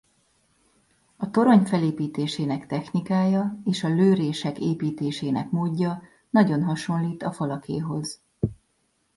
A torony felépítésének technikája és a lőrések építésének módja nagyon hasonlít a falakéhoz.